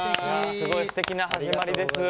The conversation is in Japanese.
すごいすてきな始まりです！